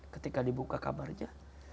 ketika dibuka kamarnya